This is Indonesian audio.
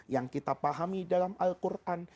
yang kita pahami dalam al quran